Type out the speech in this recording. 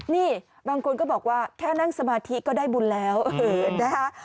นี่บางคนก็บอกว่าแค่นั่งสมาธิก็ได้บุญแล้วนะคะ